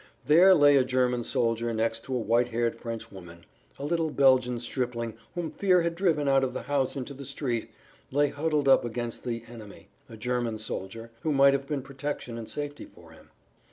There lay a German soldier next to a white haired French woman, a little Belgian stripling whom fear had driven out of the house into the street, lay huddled up against the "enemy," a German soldier, who might have been protection and safety for him.